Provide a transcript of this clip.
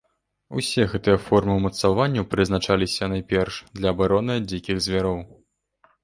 Усе гэтыя формы ўмацаванняў прызначаліся, найперш, для абароны ад дзікіх звяроў.